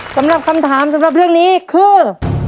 สำหรับคำถามสำหรับเรื่องนี้คือ